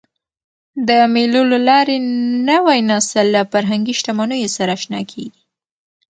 د مېلو له لاري نوی نسل له فرهنګي شتمنیو سره اشنا کېږي.